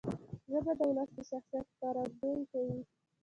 ژبه د ولس د شخصیت ښکارندویي کوي.